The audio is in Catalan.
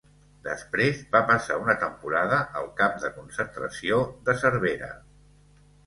Després, va passar una temporada al camp de concentració de Cervera.